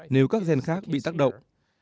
nếu các gen khác bị tác động